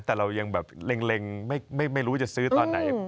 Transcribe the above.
แต่เรายังแบบเล็งไม่รู้จะซื้อตอนไหน